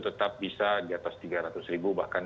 tetap bisa diatas tiga ratus bahkan